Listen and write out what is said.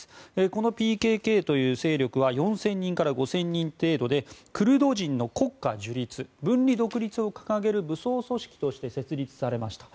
このＰＫＫという組織は４０００人から５０００人程度でクルド人の国家樹立分離独立を掲げる武装組織として設立されました。